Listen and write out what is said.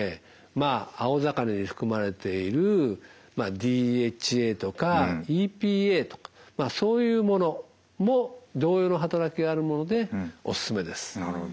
まあ青魚に含まれているＤＨＡとかＥＰＡとかそういうものも同様の働きがあるものでおすすめです。